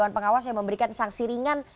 agar lebih berhati hati lagi